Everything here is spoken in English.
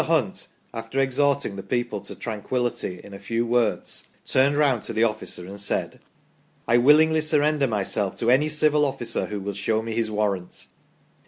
Hunt, after exhorting the people to tranquillity in a few words, turned round to the officer and said :* I willingly surrender myself to any civil officer who will show me his warrant